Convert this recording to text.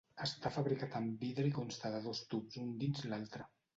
Està fabricat en vidre i consta de dos tubs un dins l'altre.